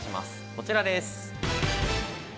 こちらです。